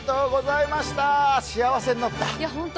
幸せになった。